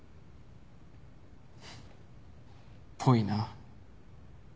フッぽいな。